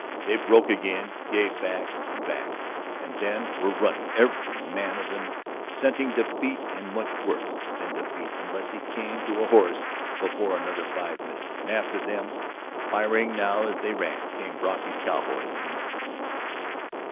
They broke again, gave back and back ... and then were running, every man of them scenting defeat and much worse than defeat unless he came to a horse before another five minutes. And after them, firing now as they ran, came Brocky's cowboys and Norton's men.